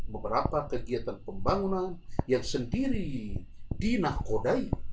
beberapa kegiatan pembangunan yang sendiri dinakodai